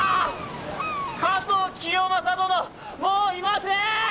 加藤清正殿もういません！